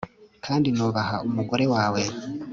Kandi Nubaha umugore wawe